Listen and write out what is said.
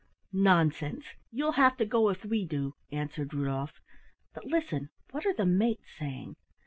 "Nonsense; you'll have to go if we do," answered Rudolf. "But listen, what are the mates saying?"